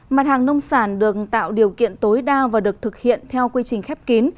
mặt hàng nông sản được tạo điều kiện tối đa và được thực hiện theo quy trình khép kín